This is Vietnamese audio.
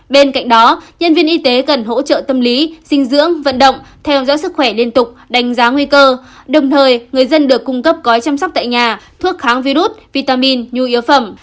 bên cạnh đó nhân viên y tế cần hỗ trợ tâm lý dinh dưỡng vận động theo dõi sức khỏe liên tục đánh giá nguy cơ đồng thời người dân được cung cấp gói chăm sóc tại nhà thuốc kháng virus vitamin nhu yếu phẩm